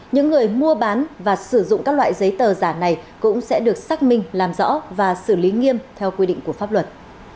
những người mua bán và sử dụng các loại giấy tờ giả này cũng sẽ được xác minh làm rõ và xử lý nghiêm theo quy định của pháp luật